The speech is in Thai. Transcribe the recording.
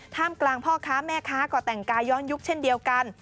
กลางพ่อค้าแม่ค้าก็แต่งกายย้อนยุคเช่นเดียวกัน